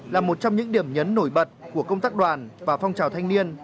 là một trong những điểm nhấn nổi bật của công tác đoàn và phong trào thanh niên